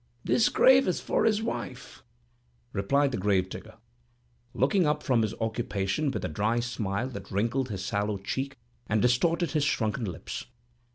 "This grave is for his wife," replied the grave digger, looking up from his occupation with a dry smile that wrinkled his sallow cheek and distorted his shrunken lips.